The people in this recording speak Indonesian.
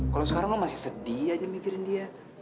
kalo sekarang lo masih sedih aja mikirin dia